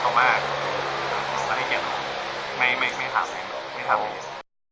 ก็ให้เกียรติเราไม่ทำแค่นี้